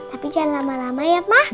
tapi jangan lama lama ya pak